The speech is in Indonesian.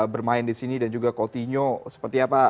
bermain di sini dan juga coutinho seperti apa